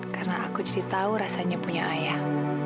karena aku jadi tahu rasanya punya ayah